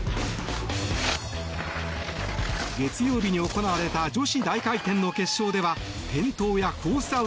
月曜日に行われた女子大回転の決勝では転倒やコース